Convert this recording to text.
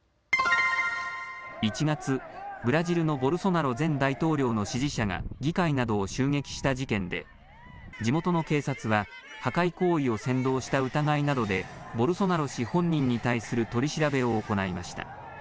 １月、ブラジルのボルソナロ前大統領の支持者が議会などを襲撃した事件で地元の警察は破壊行為を扇動した疑いなどでボルソナロ氏本人に対する取り調べを行いました。